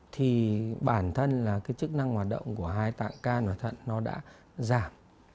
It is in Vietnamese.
thì bản thân là cái chức năng hoạt động của hai tạng can và tạng thận nó đã giảm